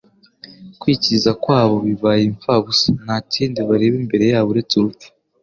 Kwikiza kwabo bibaye imfabusa, nta kindi bareba imbere yabo uretse urupfu,